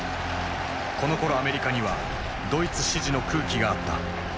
このころアメリカにはドイツ支持の空気があった。